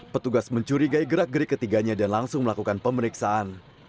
petugas mencurigai gerak gerik ketiganya dan langsung melakukan pemeriksaan